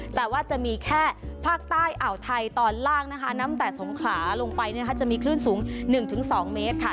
แต่ว่าจะมีแค่ภาคใต้อ่าวไทยตอนล่างนะคะนับแต่สงขลาลงไปจะมีคลื่นสูง๑๒เมตรค่ะ